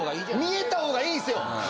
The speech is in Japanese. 見えた方がいいんですよ。